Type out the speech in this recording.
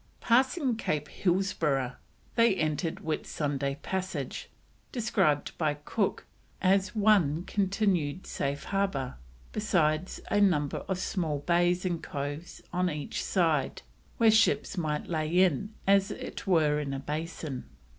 Passing Cape Hillsborough, they entered Whitsunday Passage, described by Cook as "one continued safe harbour, besides a number of small bays and coves on each side, where ships might lay as it were in a Basin."